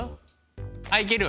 あっいける。